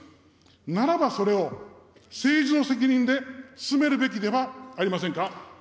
ならばそれを、政治の責任で進めるべきではありませんか。